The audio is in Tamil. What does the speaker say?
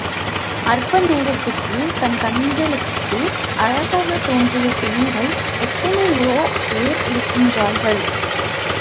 அற்ப நேரத்துக்குத் தன் கண்களுக்கு அழகாகத் தோன்றிய பெண்கள் எத்தனையோபேர் இருக்கிறார்கள்.